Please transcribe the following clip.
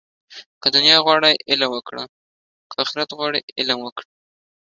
که دنیا غواړې، علم وکړه. که آخرت غواړې علم وکړه